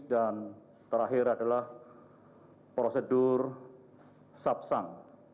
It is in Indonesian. dan terakhir adalah prosedur subsang